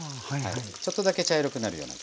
ちょっとだけ茶色くなるような。